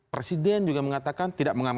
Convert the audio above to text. presiden juga mengatakan